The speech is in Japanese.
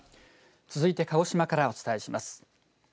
続いて鹿児島からお伝えします。